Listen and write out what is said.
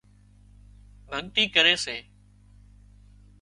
ڀڳتي ڪري سي